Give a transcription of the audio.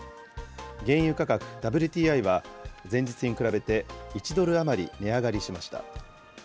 原油価格ＷＴＩは、前日に比べて１ドル余り値上がりしました。